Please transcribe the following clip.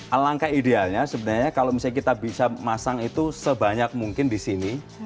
alangkah idealnya sebenarnya kalau misalnya kita bisa masang itu sebanyak mungkin di sini